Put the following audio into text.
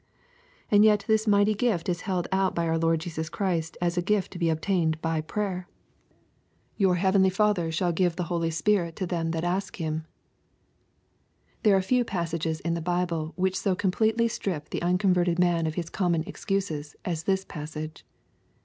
And yet this mighty gift is held out by our Lord Jesus Christ as a gift to be obtained by prayer 1 *' Xoxa LUKE, CHAP. XI. 13 heavenly Father shall give the Holy Spirit to them that ask Him/' There are few passages in the Bible which so com pletely strip the unconverted man of his common excuses as this passage.